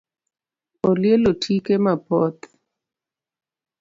Olielo tike mapoth